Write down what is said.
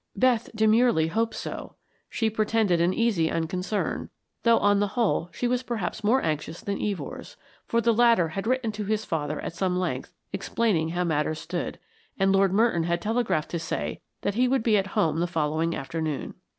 Beth demurely hoped so; she pretended an easy unconcern, though, on the whole, she was perhaps more anxious than Evors, for the latter had written to his father at some length explaining how matters stood, and Lord Merton had telegraphed to say that he would be at home the following afternoon.